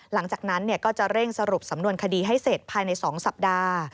หลังจากนั้นก็จะเร่งสรุปสำนวนคดีให้เสร็จภายใน๒สัปดาห์